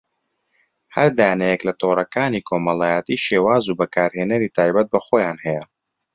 هەر دانەیەک لە تۆڕەکانی کۆمەڵایەتی شێواز و بەکارهێنەری تایبەت بەخۆیان هەیە